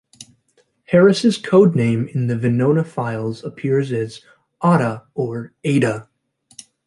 Harris's code name in the Venona files appears as "Ada" or "Aida".